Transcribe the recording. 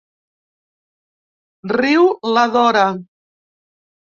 Riu la Dora.